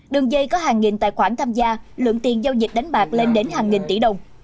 đường dây có hàng nghìn tài khoản tham gia lượng tiền giao dịch đánh bạc lên đến hàng nghìn tỷ đồng